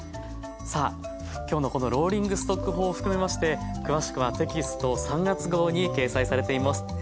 さあ今日のこのローリングストック法を含めまして詳しくはテキスト３月号に掲載されています。